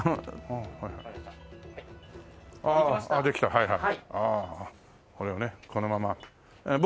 はいはい。